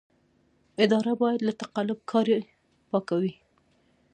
اداره باید له تقلب کارۍ پاکه وي.